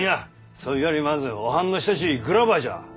そいよりまずおはんの親しいグラバーじゃ。